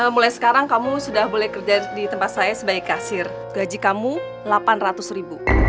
mulai sekarang kamu sudah boleh kerja di tempat saya sebagai kasir gaji kamu delapan ratus ribu